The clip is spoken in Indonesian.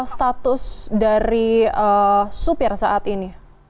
status dari supir saat ini